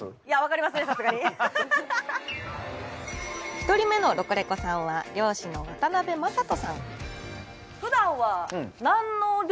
１人目のロコレコさんは漁師の渡邉将人さん。